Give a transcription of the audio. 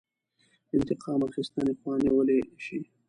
انتقام اخیستنې خوا نیولی شي.